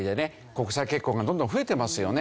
国際結婚がどんどん増えてますよね。